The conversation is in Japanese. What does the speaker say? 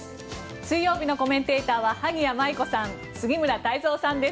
水曜日のコメンテーターは萩谷麻衣子さん杉村太蔵さんです。